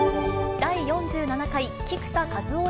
第４７回菊田一夫